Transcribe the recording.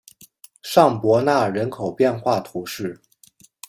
尚博纳人口变化图示